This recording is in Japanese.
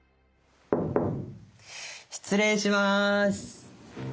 失礼します。